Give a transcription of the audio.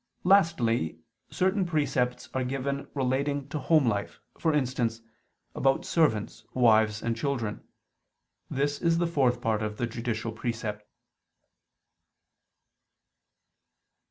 Lastly, certain precepts are given relating to home life: for instance, about servants, wives and children: this is the fourth part of the judicial precepts.